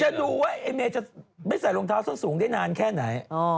ดูว่าไอ้เมย์จะไม่ใส่รองเท้าส้นสูงได้นานแค่ไหน